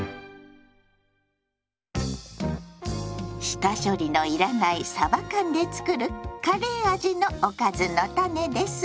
下処理の要らない「さば缶」で作るカレー味のおかずのタネです。